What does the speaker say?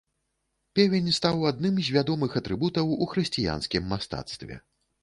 Певень стаў адным з вядомых атрыбутаў у хрысціянскім мастацтве.